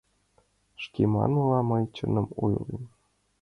Шке манмыла, мый чыным ойлем.